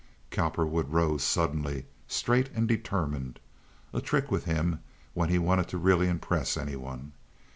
Cowperwood rose suddenly, straight and determined—a trick with him when he wanted to really impress any one.